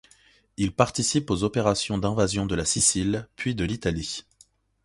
Il participe aux opérations d'invasion de la Sicile puis de l'Italie.